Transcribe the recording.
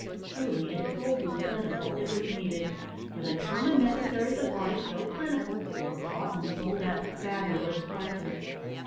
Truly, if gold was plentiful, it was needed; for the common necessaries of life, though plentiful, were bought and sold at fabulous prices.